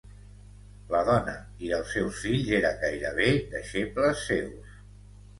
La dona i els seus fills eren gairebé deixebles seus.